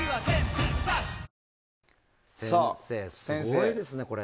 すごいですね、これ。